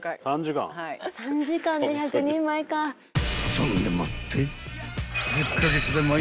［そんでもって］